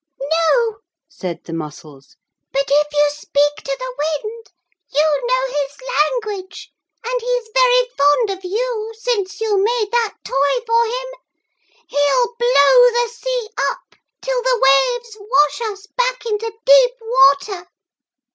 'No,' said the mussels, 'but if you speak to the wind, you know his language and he's very fond of you since you made that toy for him, he'll blow the sea up till the waves wash us back into deep water.'